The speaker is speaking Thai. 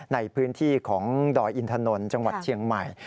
ในพื้นที่ของดอยอินทนนท์จังหวัดเชียงใหม่